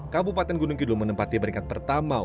kabupaten gunung kidul menempati beringat pertamanya